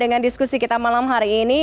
dengan diskusi kita malam hari ini